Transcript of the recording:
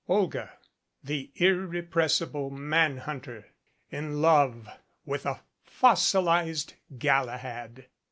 Olga, the irrepressible man hunter, in love with a "fossilized Galahad."